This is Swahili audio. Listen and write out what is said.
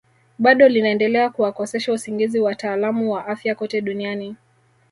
Bado linaendelea kuwakosesha usingizi wataalamu wa afya kote duniani